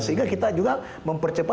sehingga kita juga mempercepat